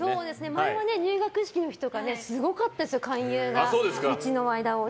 前は入学式の日とかすごかったですよ、勧誘がうちの間をずっと。